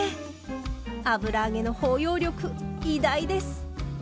油揚げの包容力偉大です！